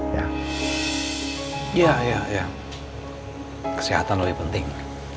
iya iya iya kesehatan lebih penting